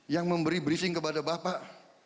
yang memberi briefing kepada bapak